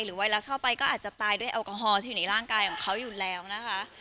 ไวรัสเข้าไปก็อาจจะตายด้วยแอลกอฮอลที่อยู่ในร่างกายของเขาอยู่แล้วนะคะ